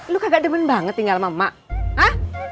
lo kagak demen banget tinggal sama mba ha